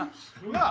なあ？